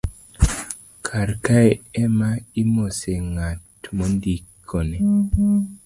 karkae ema imose ng'at mindikone